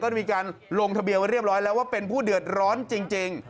ได้มีการลงทะเบียนไว้เรียบร้อยแล้วว่าเป็นผู้เดือดร้อนจริง